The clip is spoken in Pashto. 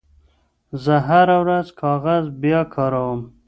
زه هره ورځ کاغذ بیاکاروم.